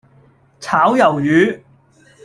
炒魷魚